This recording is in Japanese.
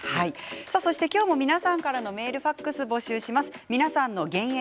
今日も皆さんからのメールファックスを募集します。